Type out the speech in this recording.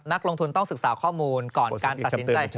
นักลงทุนต้องศึกษาข้อมูลก่อนการตัดสินใจ